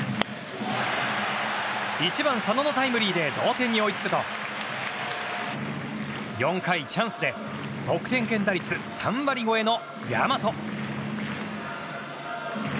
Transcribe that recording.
１番、佐野のタイムリーで同点に追いつくと４回、チャンスで得点圏打率３割超えの大和。